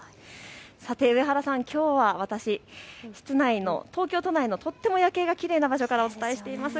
さて上原さん、きょうは私室内の東京都内のとっても夜景がきれいな場所からお伝えしています。